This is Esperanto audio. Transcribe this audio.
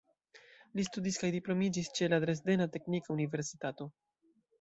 Li studis kaj diplomiĝis ĉe la Dresdena Teknika Universitato.